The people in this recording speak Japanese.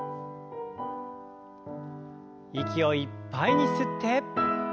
息をいっぱいに吸って。